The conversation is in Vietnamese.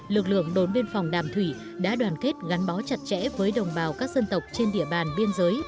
lực lượng đồn biên phòng đàm thủy đã đoàn kết gắn bó chặt chẽ với đồng bào các dân tộc trên địa bàn biên giới